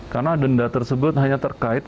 karena denda tersebut hanya terkait